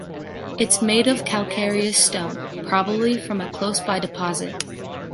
It’s made of calcareous stone, probably from a close-by deposit.